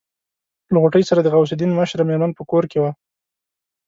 له غوټۍ سره د غوث الدين مشره مېرمن په کور کې وه.